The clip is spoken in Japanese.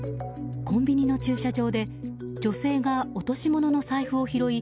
コンビニの駐車場で女性が落とし物の財布を拾い